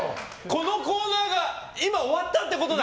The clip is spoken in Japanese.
このコーナーが今終わったってことだ！